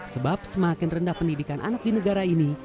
sebab semakin rendah pendidikan anak di negara ini